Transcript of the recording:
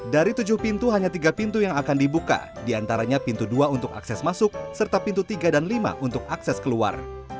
dari tujuh pintu hanya tiga pintu yang akan dibuka diantaranya pintu dua untuk akses masuk serta pintu tiga dan lima untuk akses keluar